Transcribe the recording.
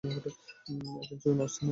এক ইঞ্চিও নড়ছে না।